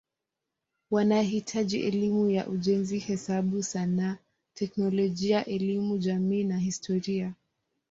Wanahitaji elimu ya ujenzi, hesabu, sanaa, teknolojia, elimu jamii na historia.